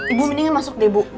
ibu mining masuk deh bu